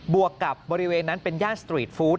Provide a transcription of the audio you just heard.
วกกับบริเวณนั้นเป็นย่านสตรีทฟู้ด